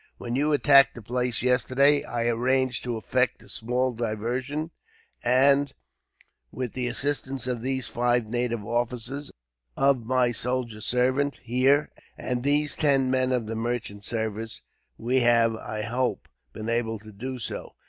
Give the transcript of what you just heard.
When you attacked the place, yesterday, I arranged to effect a small diversion; and with the assistance of these five native officers, of my soldier servant, here, and these ten men of the merchant service, we have, I hope, been able to do so.